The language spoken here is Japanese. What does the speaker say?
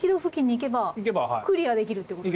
クリアできるってことですね。